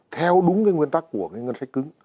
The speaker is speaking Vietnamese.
theo đúng cái nguyên tắc của cái ngân sách cứng